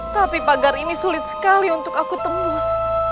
tapi pagar ini sulit sekali untuk aku tembus